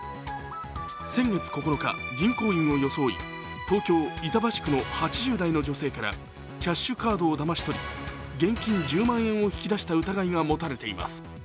先月９日、銀行員を装い東京・板橋区の８０代の女性からキャッシュカードをだまし取り、現金１０万円を引き出した疑いが持たれています。